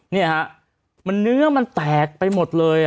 นี่ฮะเนื้อมันแตกไปหมดเลย